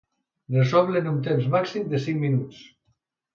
Resoldre en un temps màxim de cinc minuts.